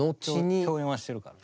共演はしてるからね。